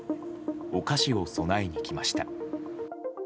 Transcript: お菓子を供えに来ました。